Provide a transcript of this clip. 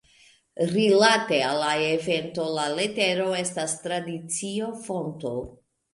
Rilate al la evento, la letero estas tradicio-fonto.